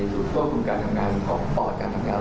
ควบคุมการทำงานของปอดการทำงาน